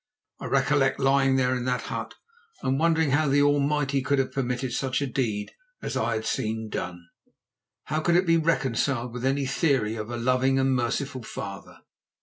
I recollect lying there in that hut and wondering how the Almighty could have permitted such a deed as I had seen done. How could it be reconciled with any theory of a loving and merciful Father?